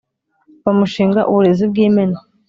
bamushinga uburezi bw' imena,